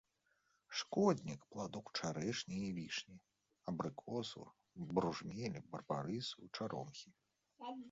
Шкоднік пладоў чарэшні і вішні, абрыкосу, бружмелю, барбарысу, чаромхі.